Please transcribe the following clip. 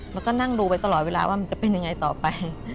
มันก็นั่งดูไปตลอดเวลาว่ามันจะเป็นยังไงต่อไป